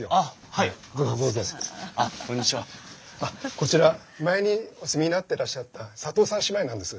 こちら前にお住みになっていらっしゃった佐藤さん姉妹なんです。